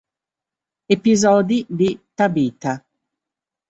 Episodi di Tabitha